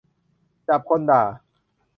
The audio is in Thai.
จับคนด่า